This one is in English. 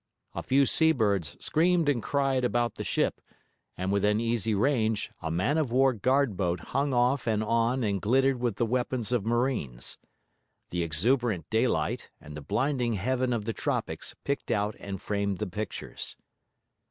A few sea birds screamed and cried about the ship; and within easy range, a man of war guard boat hung off and on and glittered with the weapons of marines. The exuberant daylight and the blinding heaven of the tropics picked out and framed the pictures.